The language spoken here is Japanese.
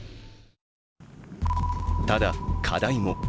ただ、課題も。